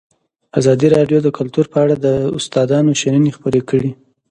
ازادي راډیو د کلتور په اړه د استادانو شننې خپرې کړي.